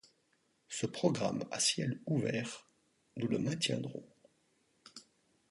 Ce programme à ciel ouvert, nous le maintiendrons.